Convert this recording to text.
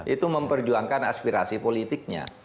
itu memperjuangkan aspirasi politiknya